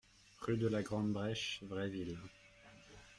Rue de la Grande Breche, Vraiville